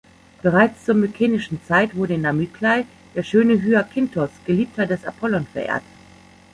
Bereits zur mykenischen Zeit wurde in Amyklai der schöne Hyakinthos, Geliebter des Apollon, verehrt.